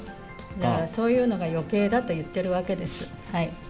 だからそういうのが、よけいだと言っているわけです。